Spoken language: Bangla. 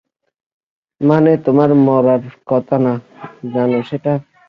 মানে, তোমার মরার কথা না, জানো সেটা?